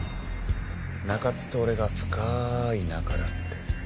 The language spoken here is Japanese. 中津と俺が深い仲だって。